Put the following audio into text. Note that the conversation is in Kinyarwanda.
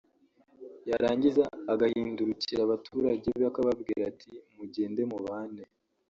yarangiza agahindurikira abaturage be akababwira ati ‘ mugende mubane